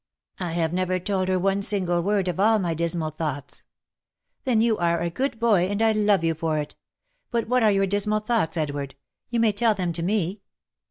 " I have never told her one single word of all my dismal thoughts." " Then you are a good boy, and 1 love you for it. But what are your dismal thoughts, Edward? You may tell them to me."